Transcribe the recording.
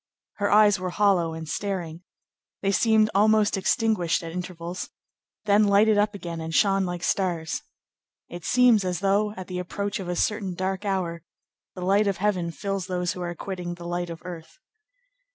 Her eyes were hollow and staring. They seemed almost extinguished at intervals, then lighted up again and shone like stars. It seems as though, at the approach of a certain dark hour, the light of heaven fills those who are quitting the light of earth.